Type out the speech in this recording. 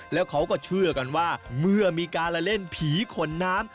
แล้วเขาก็เชื่อกันว่าเมื่อมีการเล่นผีขนน้ำ